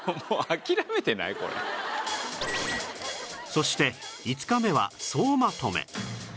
そして５日目は総まとめ